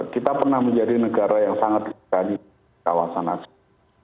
kita pernah menjadi negara yang sangat berdiri di kawasan asing